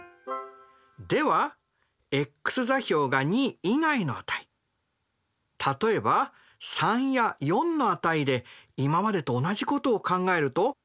ではｘ座標が２以外の値例えば３や４の値で今までと同じことを考えると。